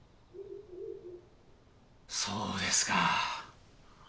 そうですか。